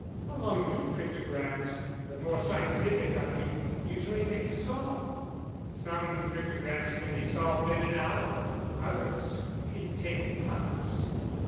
"How long do cryptograms the more scientific, I mean usually take to solve?" "Some cryptograms can be solved in an hour; others may take months."